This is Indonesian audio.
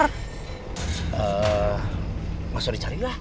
eee maksudnya carilah